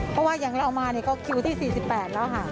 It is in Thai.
เพราะว่าอย่างเรามาก็คิวที่๔๘แล้วค่ะ